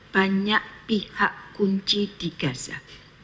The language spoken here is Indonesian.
banyak pihak kunci di gaza